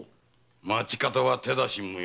町方は手出し無用。